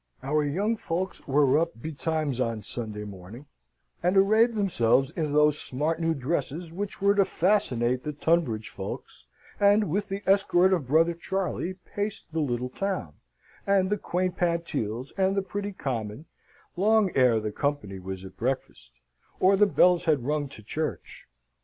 Our young folks were up betimes on Sunday morning, and arrayed themselves in those smart new dresses which were to fascinate the Tunbridge folks, and, with the escort of brother Charley, paced the little town, and the quaint Pantiles, and the pretty common, long ere the company was at breakfast, or the bells had rung to church.